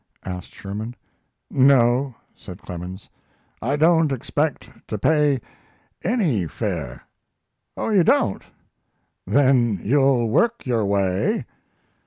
asked Sherman. "No," said Clemens. "I don't expect to pay any fare." "Oh, you don't. Then you'll work your way."